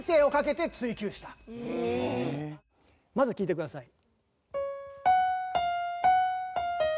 まずは聴いてください。